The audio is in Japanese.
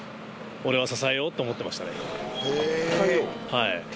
はい。